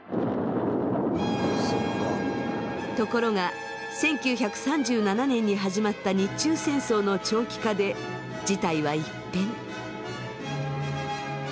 ところが１９３７年に始まった日中戦争の長期化で事態は一変。